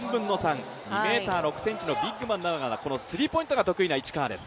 ２ｍ６ｃｍのビッグマンながら、スリーポイントが得意な市川です。